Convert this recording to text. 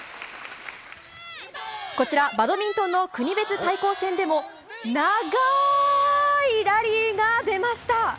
こちら、バドミントンの国別対抗戦でも長いラリーが出ました。